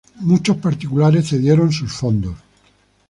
Muchos particulares cedieron sus fondos.